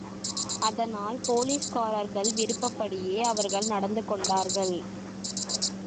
அதனால் போலீஸ்காரர்கள் விருப்பப்படியே அவர்கள் நடந்துகொண்டார்கள்.